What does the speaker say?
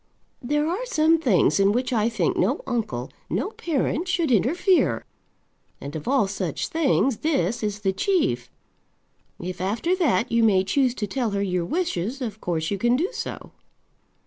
"There are some things in which I think no uncle, no parent, should interfere, and of all such things this is the chief. If after that you may choose to tell her your wishes, of course you can do so."